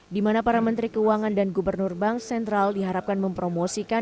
di mana para menteri keuangan dan gubernur bank sentral diharapkan mempromosikan